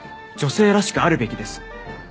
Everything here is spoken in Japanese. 女性らしくあるべきです。